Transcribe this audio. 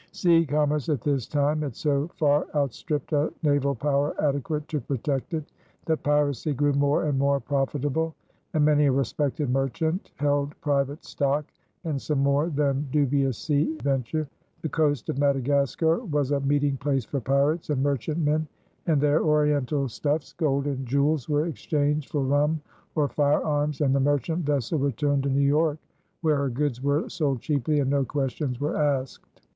Sea commerce at this time had so far outstripped a naval power adequate to protect it that piracy grew more and more profitable, and many a respected merchant held private stock in some more than dubious sea venture. The coast of Madagascar was a meeting place for pirates and merchantmen, and there Oriental stuffs, gold, and jewels were exchanged for rum or firearms, and the merchant vessel returned to New York, where her goods were sold cheaply and no questions were asked.